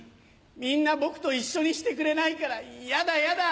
みんな僕と一緒にしてくれないからやだやだ。